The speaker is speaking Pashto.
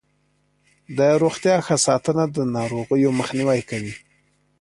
د روغتیا ښه ساتنه د ناروغیو مخنیوی کوي.